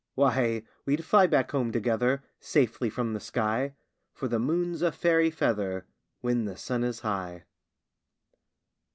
Why, we'd fly back home together Safely from the sky, For the moon's a fairy feather When the sun is high!